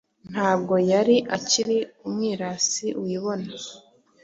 Ntabwo yari akiri umwirasi wibona,